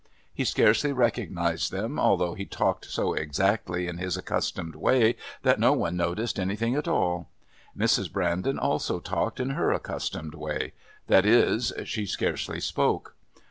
He scarcely recognised them although he talked so exactly in his accustomed way that no one noticed anything at all. Mrs. Brandon also talked in her accustomed way; that is, she scarcely spoke.